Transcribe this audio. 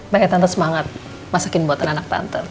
makanya tante semangat masakin buat anak anak tante